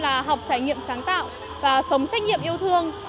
là học trải nghiệm sáng tạo và sống trách nhiệm yêu thương